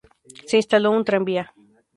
Se instaló un tranvía.